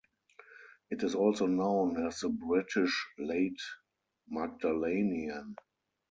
It is also known as the British Late Magdalenian.